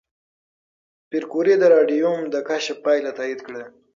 پېیر کوري د راډیوم د کشف پایله تایید کړه.